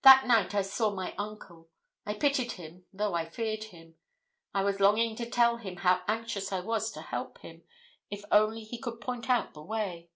That night I saw my uncle. I pitied him, though I feared him. I was longing to tell him how anxious I was to help him, if only he could point out the way.